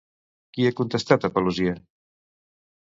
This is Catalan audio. Qui ha contestat a Paluzie?